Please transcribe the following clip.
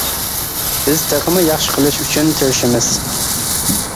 بىز تېخىمۇ ياخشى قىلىش ئۈچۈن تىرىشىمىز.